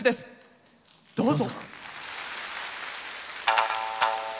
どうぞ。